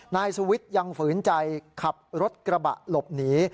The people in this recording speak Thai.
นายสุวิทย์ยังฝืนใจขับรถกระบะหลบหนี